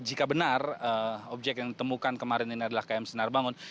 jika benar objek yang ditemukan kemarin ini adalah km sinar bangun